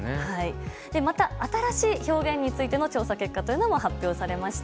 また、新しい表現についての調査結果も発表されました。